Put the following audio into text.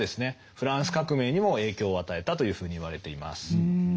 フランス革命にも影響を与えたというふうに言われています。